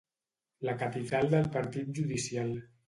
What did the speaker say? La capital del partit judicial.